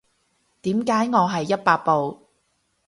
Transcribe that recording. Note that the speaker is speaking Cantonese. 點解我係一百步